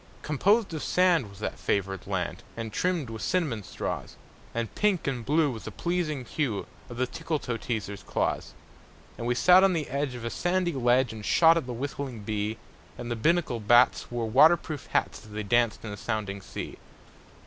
Composed of sand was that favored land, And trimmed with cinnamon straws; And pink and blue was the pleasing hue Of the Tickletoeteaser's claws. And we sat on the edge of a sandy ledge And shot at the whistling bee; And the Binnacle bats wore water proof hats As they danced in the sounding sea.